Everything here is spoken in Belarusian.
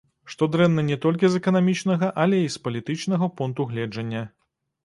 Што дрэнна не толькі з эканамічнага, але і з палітычнага пункту гледжання.